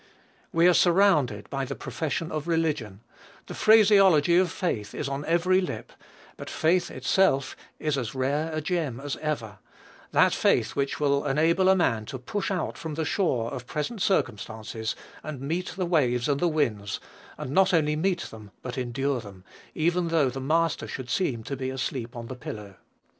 We are surrounded by the profession of religion; the phraseology of faith is on every lip; but faith itself is as rare a gem as ever, that faith which will enable a man to push out from the shore of present circumstances, and meet the waves and the winds, and not only meet them, but endure them, even though the Master should seem to be asleep on the pillow.